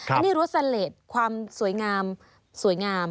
อันนี้รสเลสความสวยงามสวยงาม